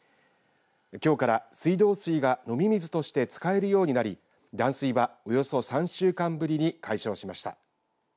きょうから水道水が飲み水として使えるようになり断水はおよそ３週間ぶりに解消しました。